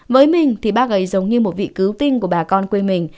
với mình thì bác ấy giống như một vị cứu tinh của bà con